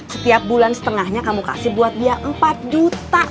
setiap bulan setengahnya kamu kasih buat dia empat juta